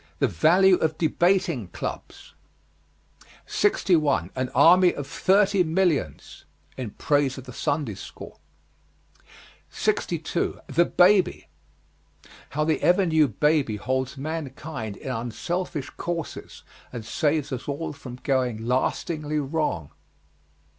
THE VALUE OF DEBATING CLUBS. 61. AN ARMY OF THIRTY MILLIONS. In praise of the Sunday school. 62. THE BABY. How the ever new baby holds mankind in unselfish courses and saves us all from going lastingly wrong.